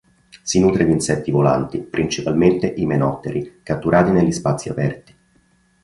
Si nutre di insetti volanti, principalmente imenotteri catturati negli spazi aperti.